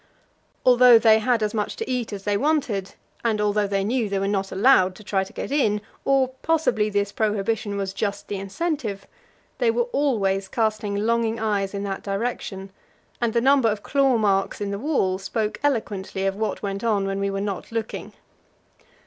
Although they had as much to eat as they wanted, and although they knew they were not allowed to try to get in or possibly this prohibition was just the incentive they were always casting longing eyes in that direction, and the number of claw marks in the wall spoke eloquently of what went on when we were not looking.